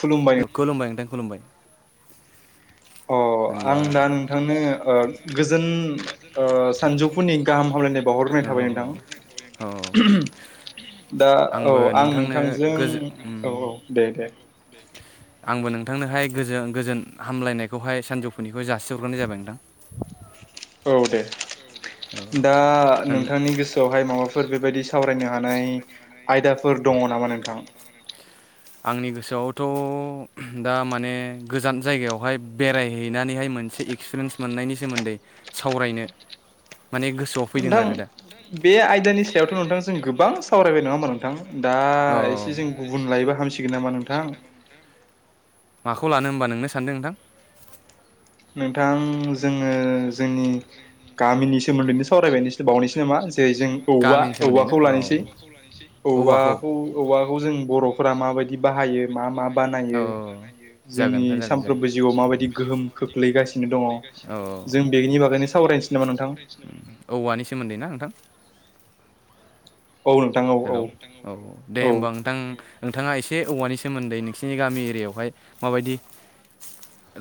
खुलुमबाय खुलुमबाय नोंथां खुलुमबाय अ होनबा आं दा नोंथांनो ओ गोजोन ओ सानजौफुनि गाहाम हामलायनाय बावहरग्रोनाय थाबाय नोंथां दा औ हामलायनायखौ बावहरग्रोनाय थाबाय नोंथां आंबो आं नोंथांनो नोंथांजों गोजो औ औ दे दे आंबो नोंथांनोहाय गोजोन गोजोन हामलायनायखौहाय सानजौफुनिखौ जासिहरग्रोनाय जाबाय नोंथां। औ दे औ होन नोंथांनि दा नोंथांनि गोसोआवहाय माबाफोर बेबायदि सावरायनो हानाय आयदाफोर फोर दंङ नामा नोंथां? आंनि गोसोआवथ' दा माने गोजान जायगायावहाय बेरायहैनानैहाय मोनसे एक्सपिरियेन्स मोननायनि सोमोन्दै सावरायनो माने गोसोआव फैदों नोंथां आरो दा बे आयदानि सायावथ' नोंथां जों गोबां सावरायबाय नंङा होमबा नोंथां दा एसे जों गुबुन लायोबा हामसिगोन नामा नोंथां माखौ लानो होमबा नोंनो सानदो नोंथां नोंथां जोंङो जोंनि गामिनि सो औवा गामिनि सोमोन्दै ना औवाखौ औवाखौ उम औवाखौ जों बर'फोरा माबायदि बाहायो मा मा बानायो जोंनि बानायो सानफ्रोमबो जिउआव माबायदि गोहोम खोख्लैगासिनो दंङ गोहोम जों बेनि बागैनो सावरायनोसै नामा नोंथां? औ औवानि सोमोन्दै ना नोंथां औ नोंथां औ हेलौ औ दे हमबा नोंथां नोंथांङा एसे औवानि सोमोन्दै नोंसोरनि गामि एरियायावहाय माबायदि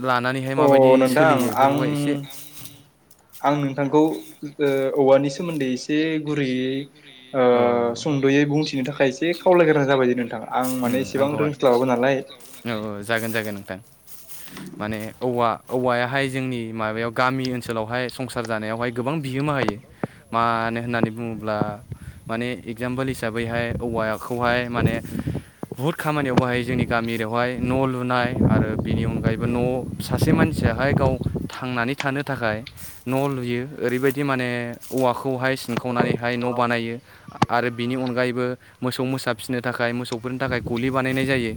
लानानैहाय औ माबायदि अ नोंथां सोलियो आं बेफोरखौहाय एसे आं नोंथांखौ ओ औवानि सोमोन्दै एसे गुरैयै औ सुंद'यै बुंथिनो थाखाय एसे खावलायग्रोनां जाबाय नोंथां आं माने उम एसेबां आंखौहाय रोंस्लाबाबो नालाय औ औ जागोन जागोन नोंथां माने औवा औवायाहाय जोंनि माबायाव गामि ओनसोलावहाय संसार जानायावहाय गोबां बिहोमा होयो मानो होननानै बुंङोब्ला माने एगजामपोल हिसाबैहाय औवाखौहाय माने बुहुत खामानियाव बाहायो जोंनि गामि एरियायाव बेवहाय न' लुनाय आरो बिनि अनगायैबो न' सासे मानसियाहाय गाव थांनानै थानो थाखाय थाखाय न' लुयो ओरैबायदि माने औवाखौहाय खौहाय सिनखावनानैहाय न' सिनखावनानै बानायो। आरो बिनि अनगायैबो मोसौ मोसा फिसिनो थाखाय मोसौफोरनि थाखाय गलि बानायनाय जायो।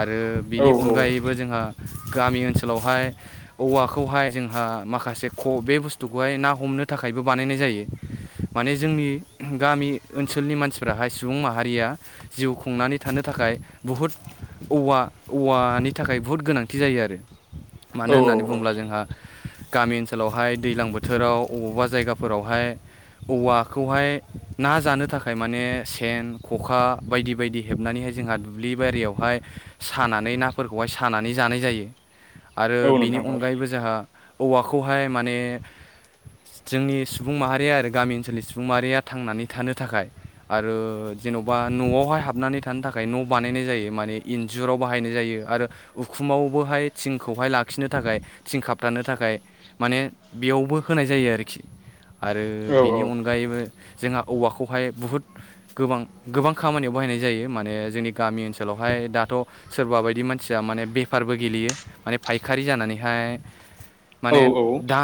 आरो औ बिनि औ अनगायैबो जोंहा गामि ओनसोलावहाय औवाखौहाय जोंहा माखासे ख बे बुस्थुखौहाय ना हम नो थाखायबो बानायनाय जायो माने जोंनि गामि ओनसोलनि मानसिफोराहाय सुबुं माहारिया जिउ खुंनानै थानो थाखाय बहुद औवा औवानि थाखाय बहुद गोनांथि जायो आरो मानो औ औ होननानै बुङोब्ला औ जोंहा गामि ओनसोलावहाय दैज्लां बोथोराव अबबा जायगाफोरावहाय औवाखौहाय ना जानो थाखाय माने सेन ख'खा बायदि बायदि हेबनानैहाय जोंहा दुब्लि बारियावहाय हाय सानानै नाफोरखौहाय सानानै जानाय जायो आरो औ बिनि नोंथां औ अनगायैबो जोंहा औवाखौहाय माने जोंनि सुबुं माहारिया आरो गामि ओनसोलनि सुबुं माहारिया थांनानै थानो थाखाय आरो जेन'बा न'आवहाय हाबनानै थानो थाखाय न' बानायनाय जायो मा ने इन्जुराव बाहायनाय जायो आरो उखुमावबोहाय थिंखौहाय लाखिनो थाखाय थिं खाबथानो थाखाय माने बेयावबो होनाय जायो आरोखि आरो औ बेनि अनगायैबो जोंहा औवाखौहाय बुहुद गोबां गोबां खामानियाव बाहायनाय जायो माने जोंनि गामि ओनसोलाव बेवहाय दाथ' सोरबा बायदि मानसिया माने बेफारबो गेलेयो माने फायखारि जानानैहाय औ माने औ दा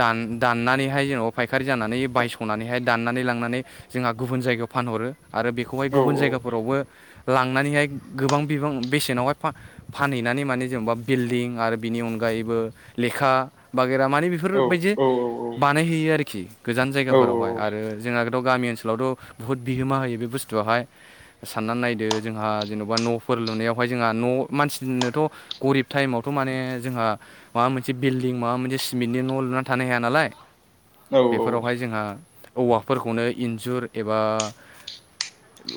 दान दाननानैहाय जेन'बा फायखारि जानानै बायस'नानैहाय दाननानै लांनानै जोंहा गुबुन जायगायाव फानहरो आरो बेखौहाय औ गुबुन जायगाफोरावबो लांनानैहाय गोबां बिबां बेसेनावहाय फा फानहैनानै माने जेनेबा बिल्डिं आरो बिनि अनगायैबो लेखा बागेरा मानि बेफोरबायदि बानायहैयो आरोखि गोजान औ जायगाफोरावहाय आरो जोंहाथ' गामि ओनसोलावथ' बुहुत बिहोमा होयो बे बुस्थुआहाय साननानै नायदो जोंहा जेनेबा न'फोर लुनायावहाय जोंहा न' मानसिनोथ' गरिब टाइमावथ' माने जोंहा माबा मोनसे बिल्डिं माबा मोनसे सिमेन्टनि न' लुनानै थानो हाया नालाय औ औ बेफोरावहाय जोंहा औवाफोरखौनो इन्जुर एबा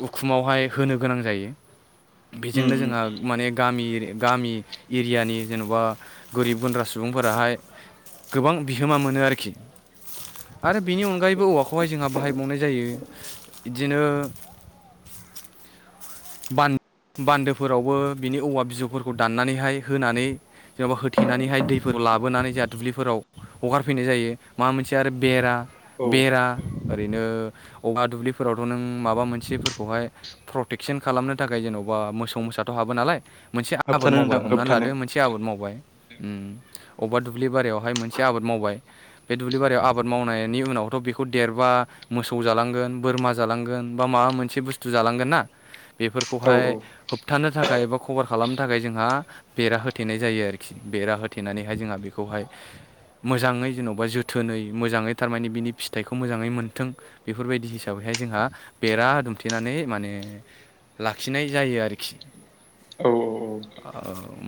उखुमावहाय होनो गोनां जायो उम बेजोंनो उम जोंहा माने गामि गामि एरियानि जेन'बा गोरिब गुन्द्रा सुबुं सुबुंफोराहाय गोबां बिहोमा मोनो आरोखि आरो बेनि अनगायैबो औवाखौ खौहाय जोंहा बाहायबावनाय जायो बिदिनो बान बान्दोफोरावबो बिनि औवा बिजौफोरखौ दान्नानैहाय होनानै जेनबा होथेनानैहाय दैफोराव लाबोनानै जोंहा दुब्लिफोराव हगारफैनाय जायो माबा मोनसे आरो बेरा औ बेरा ओरैनो औहा दुब्लिफोरावथ' नों माबा मोनसेफोरखौहाय प्रटेक क्सन खालामनो थाखाय जेन'बा मोसौ मोसाथ' हाबो नालाय मोनसे आबाद होबथानो मावबाय नोंथां हमनानै होबथानो लादो मोनसे आबाद मावबाय अबेबा दुब्लि बारियावहाय मोनसे आबाद मावबाय बे दुब्लि बारियाव आबाद मावनायनि उनाव थ' बेखौ देरबा मोसौ जालांगोन बोरमा जालांगोन बा माबा मोनसे बुस्थु जालांगोन ना औ बेफोरखौहाय होब होबथानो थाखाय एबा कभार खालामनो थाखाय जोंहा बेरा होथेनाय जायो आरोखि बेरा होथेनानैहाय जोंहा बेखौ बहाय मोजाङै जेन'बा जोथोनै मोजाङै थारमाने बिनि फिथाइखौ मोजाङै मोन्थों बेफोरबायदि हिसाबै बेहाय जोंहा बेरा दुमथेनानै माने लाखिनाय जायो आरोखि औ औ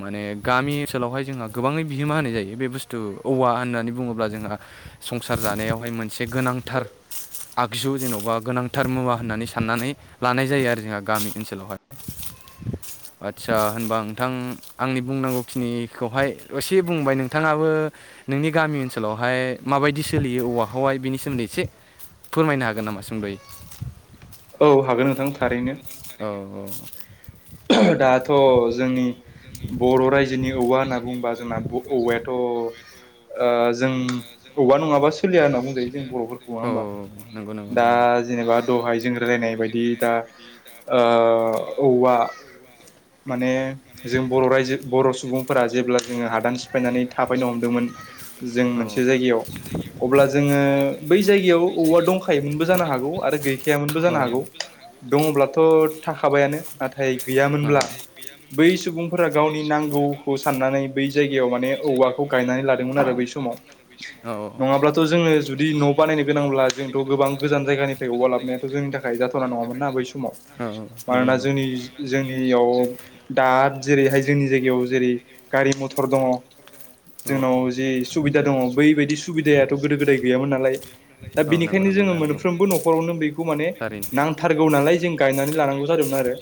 माने गामि ओनसोलावहाय जोंहा गोबाङै बिहोमा होनाय जायो बे बुस्थु औवा होन्नानै बुङोब्ला जोंहा संसार जानायावहाय मोनसे गोनांथार आगजु जेन'बा गोनांथार मुवा होननानै साननानै लानाय जायो आरो जोंहा गामि ओनसोलावहाय [unintelligible] आदसा होनबा नोंथां आंनि बुंनांगौखिनिखौहाय एसे बुंबाय नोंथाङाबो नोंनि गामि ओनसोलावहाय माबायदि सोलियो औवाखौहाय बिनि सोमोन्दै एसे फोरमायनो हागोन नामा सुंदयै औ हागोन नोंथां थारैनो। औ औ। दाथ' जोंनि बर' रायजोनि औवा होनना बुंबा जोंना ब' औवायाथ' ओ जों औवा नङाबा सोलिया होनना बुंजायो जों बर'फोरखौ नङा औ होमबा? नंगौ नंगौ दा नंगौ जेनेबा दहाय जों रायलायनाय बायदि दा ओ औवा माने जों बर' रायजो बर' सुबुंफोरा जेब्ला जोङो हादान सिफायनानै थाफैनो हमदोंमोन जों औ मोनसे जायगायाव अ अब्ला जोङो बै जायगायाव औवा दंखायोमोनबो जानो हागौ आरो गैखायामोनबो जानो हागौ। दङ'ब्लाथ' थाखाबायानो नाथाय गैयामोनब्ला बै सुबुंफोरा गावनि नांगौ खौ साननानै बै जायगायाव माने औवाखौ गायनानै लादोंमोन आरो। बै नानै समाव लादोंमोन आरो बै समाव औ। नङाब्लाथ' जोङो जुदि न' बानायनो गोनांब्ला जोंथ' गोबां गोजान जायगानिफ्राय औवा लाबोनायाथ' जोंनि थाखाय जाथावना नङामोन मोन ना बै समाव। औ नंगौ मानोना नंगौ जोंनि-जोंनियाव दा जेरैहाय जोंनि जायगायाव जेरै गारि मथर दङ'। औ जोंनाव जि सुबिदा दङ' बैबायदि सुबिदायाथ' गोदो गोदाय गैयामोन नालाय। दा औ नंगौ बेनिखायनो नंगौ जोङो नोंथां नंगौ मोनफ्रोमबो न'खरावनो बिखौ माने थारैनो नांथारगौ नालाय जों गायनानै लानांगौ जादोंमोन आरो।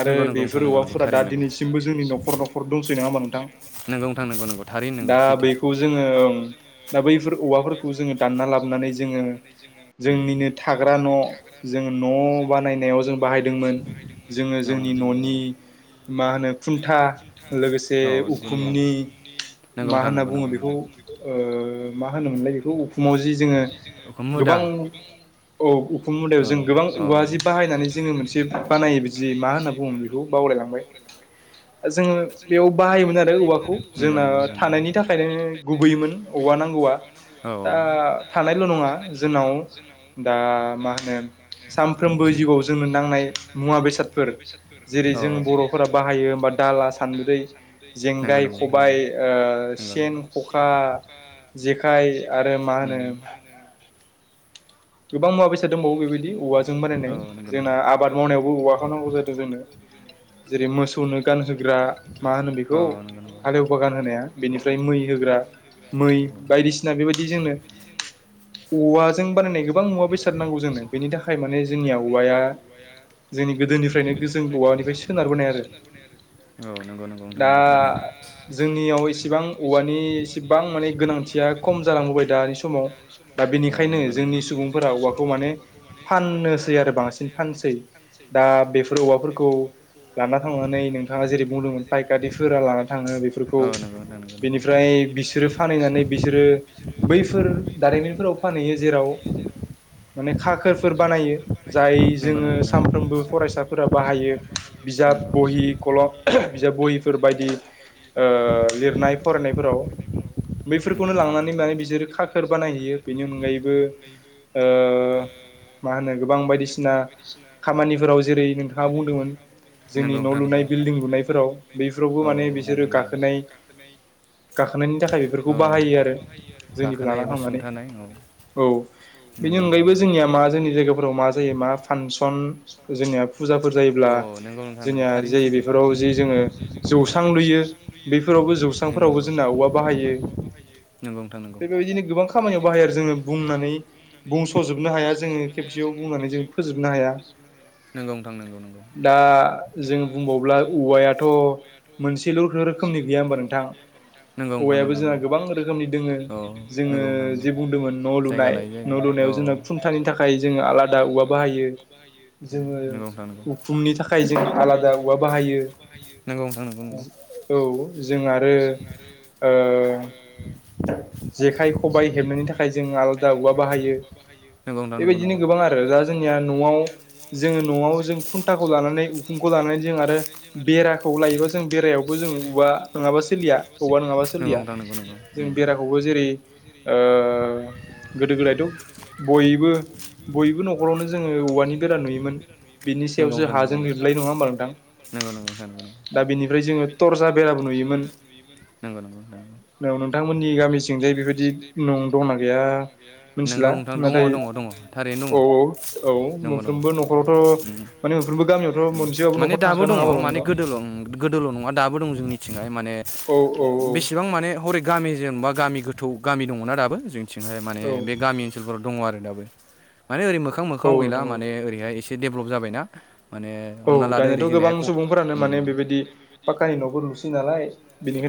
आरो जादोंमोन बेफोर नंगौ औवाफोरा दा दिनैसिमबो जोंनि न'खर न'खर दंसै नोङा होमबा नोंथां? नंगौ नोंथां नंगौ नंगौ थारैनो नंगौ दा बेखौ जोङो दा बैफोर औवाफोरखौ जोङो दानना लाबोनानै जोङो जोंनिनो थाग्रा न' जों न' बानायनायाव जों बाहायदोंमोन। जोङो जोंनि दिनैसिमबो न'नि मा होनो खुन्था लोगोसे उखुमनि न'खर दंसै नङा होमबा नंगौ मा नोंथां नंगौ थारैनो नंगौ सैथो औ नोंथां नंगौ औ नंगौ नोंथां होनना नंगौ बुङो नंगौ नंगौ बेखौ ओ मा होनोमोनलाय बेखौ उखुमाव जि जोङो मुदा गोबां औ उ खुम मुदायाव जों गोबां औवा जि बाहायनानै जोङो मोनसे बानायो जि मा होनना बुङो बेखौ? बावलायलांबाय। जोङो बेयाव बाहायोमोन आरो औवाखौ नंगौ जोंना नोंथां थानायनि नंगौ। थाखायनो गुबैमोन औवा नांगौवा। औ दा थानायल' नङा जोंनाव दा मा होनो सामफ्रोमबो जिउआव जोंनो नांनाय मुवा बेसादफोर जेरै जों बर'फोरा बाहायो होमबा दाला सान्द्रै जेंगाय खबाय ओ सि ओ सेन खखा आरो जेखाय मा उम होनो आरो मा होनो नों गोबां मुवा बेसाद दंबावो बेबायदि औवाजों बानायनाय जोंना आबाद मावनायावबो औवाखौ नांगौ जादों जोंनो। जेरै मोसौनो गानहोग्रा मा होनो बेखौ मोसौ हालेवबा गानहोनाया बेनिफ्राय मै होग्रा मै बायदिसिना बिबायदि जोंनो औवाजों बानायनाय गोबां थारनांगौ जोंनो बेनि थाखाय माने जोंनिया औवाया जोंनि गोदोनिफ्रायनो गो जों औवानिफ्राय सोनारबोनाय आरो। औ नंगौ नंगौ नोंथां दा नंगौ जोंनियाव इसिबां औवानि इसिबां माने गोनांथिया खम जाना होबाय दानि समाव। दा बेनिखायनो जोंनि सुबुंफोरा औवाखौ माने फाननोसै आरो बांसिन फानसै दा बेफोर औवाफोरखौ लाना थांनानै नोंथाङा जेरै बुंदोंमोन पाइकारिफोरा लाना थाङो बेफोरखौ बेनिफ्राय बिसोरो फानहैनानै बिसोरो बैफोर दारिमिनफोराव फानहैयो जेराव माने खाखोरफोर बानायो जाय जोङो सानफ्रोमबो फरायसाफोरा बाहायो। बिजाब बहि खलब बिजाब बहिफोर बायदि ओ लिरनाय फरायनायफोराव। नंगौ बेफोरखौनो नंगौ नोंथां लांनानै माने बिसोरो खाखोर बानायहैयो। बेनि अनगायैबो ओ ओ मा होनो गोबां बायदिसिना खामानिफोराव जेरै नोंथाङा बुंदोंमोन जोंनि न' नोंथाङा लुनाय बिलडिं लुनायफोराव बैफोरावबो माने बिसोरो गाखोनाय गाखोनायनि थाखाय बेफोरखौ बाहायो आरो जोंनिफ्राय लाना थांनानै लांफानानै औ औ। बेनि अनगायैबो जोंनिया मा जोंनि जायगाफोराव मा जायो मा फांसन जोंनिया फुजाफोर जायोब्ला बा जायो जोंना जोंनिया जे बेफोराव जाय जे जोङो जौसां लुयो बेफोरावबो जौसांफोराव बो जोंना औवा बाहायो। बे बेबायदिनो गोबां खामानियाव बाहायो आरो जोङो बुंनानै बुंस'जोबनो हाया जोङो खेबसेयाव बुंनानै जों फोजोबनो हाया [unintelligible] नंगौ नोंथां नंगौ नंगौ। दा जों बुंबावब्ला औवायाथ' मोनसेल' रोखोमनि गैया होमबा नोंथां। नोंथां औवायाबो नंगौ नोंथां जोंहा नंगौ गोबां रोखोमनि दोङो जोङो जे बुंदोंमोन न' लुनाय न' लुनायाव जों खुनथानि थाखाय जोङो आलादा औवा बाहायो, जोङो उखुमनि थाखाय जों आलादा औवा बाहायो [unintelligible] नंगौ नोंथां नंगौ नंगौ। औ जों आरो ओ जेखाइ खबाइ हेबनायनि थाखाय जों आलादा औवा बाहायो। नंगौ नोंथां नंगौ बेबायदिनो नंगौ गोबां आरो दा जोंनिया न'आव जोङो न'आव जों खुन्थाखौ लानानै उखुमखौ लानानै जों आरो बेराखौ लायोबा जों बेरायावबो जों औवा नङाबा सोलिया औवा नङाबा सोलिया, जों बेराखौबो जेरै ओ गोदो गोदायथ' बयबो बयबो न'खरावनो जोङो औवानि बेरा नुयोमोन। बिनि नंगौ सायावसो नोंथां नंगौ हाजों उम लिरोलाय नङा होमबा नोंथां? नंगौ नंगौ नोंथां दा बेनिफ्राय जोङो थरजा बेराबो [unintelligible] नंगौ नंगौ नोंथां। औ नोंथांमोननि गामिथिंजाय बेबायदि न' दंना गैया नंगौ मिथिला नोंथां दङ नाथाय दङ दङ थारैनो औ औ औ दङ दङ मोनफ्रोमबो न'खरावथ' माने मोनफ्रोमबो गामियावथ' [unintelligible] मोनसेबाबो माने न'खर दाबो थाखागोन दङ नङा होमबा माने नोंथां गोदोल' गोदोल' नङा दाबो दं जोंनिथिंहाय माने औ अ औ औ बेसेबां माने हरै गामि जेनेबा गामि गोथौ गामि दङना दाबो जोंथिंहाय मा औ बे गामि ओनसोलफोराव दङ आरो दाबो माने ओरै मोखां औ मोङाव गैला नोंथां औ माने ओरैहाय एसे दडेभलप जाबायना। माने औ हमना लादो ओरै दानियाथ' गोबां जोंनिहाय ख सुबुंफोरानो माने बेबायदि पाक्कानि न'खौ लुसै नालाय।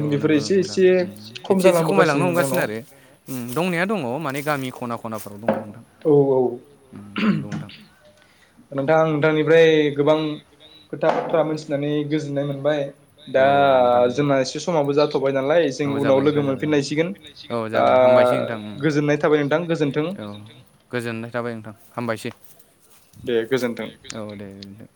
औ बेफोरो नंगौ एसे नंगौ नोंथां एसे उम खम एसे एसे जालांबोगासिनो खमायलांनो नोंथां न' हमगासिनो आरो, उम दंनाया दङ' माने गामि खना खना खनाफोराव दङ। औ औ। नंगौ नोंथां नोंथां नोथांनिफ्राय गोबां खोथा बाथ्रा मिथिनानै गोजोननाय मोनबाय। दा औ नोंथां नंगौ जोंना एसे समाबो जाथ'बाय नालाय जों औ उनाव जाबाय नोंथां लोगो जाबाय मोनफिनलायसिगोन औ दा जागोन हामबायसै नोंथां उम गोजोननाय थाबाय नोंथां गोजोन्थों [unintelligible] औ गोजोननाय थाबाय नोंथां हामबायसै। दे गोजोन्थों। [unintelligible] औ दे दे।